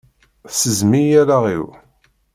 Tessezzim-iyi allaɣ-iw!